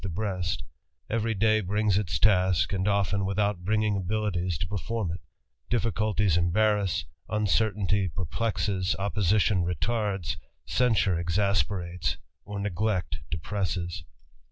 the JargasFT every d^'Y brings its task, 1 without bringing abilities to perform it ; difficulties 5S, uncertainty perplexes, opposition retards, censure tes, or neglect depresses.